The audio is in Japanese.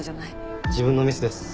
自分のミスです。